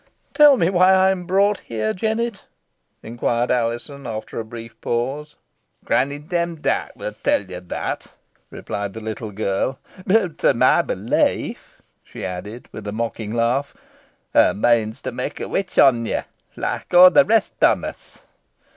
"Tell me why I am brought here, Jennet?" inquired Alizon, after a brief pause. "Granny Demdike will tell yo that," replied the little girl; "boh to my belief," she added, with a mocking laugh, "hoo means to may a witch o' ye, loike aw the rest on us."